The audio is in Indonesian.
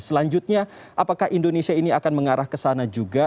selanjutnya apakah indonesia ini akan mengarah ke sana juga